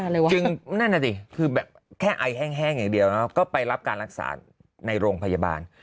แล้วก็แค่ไอแห้งเงียงเดียวก็ไปรับการรักษาในโรงพยาบาล